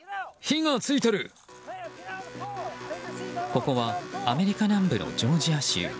ここはアメリカ南部のジョージア州。